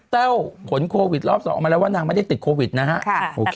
แก้วหุนโควิดรอบสองชามันจะได้ติดโโครวิดนะฮะค่ะ